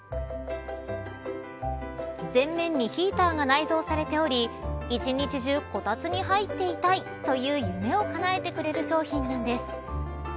前面にヒーターが内蔵されており一日中こたつに入っていたいという夢をかなえてくれる商品なんです。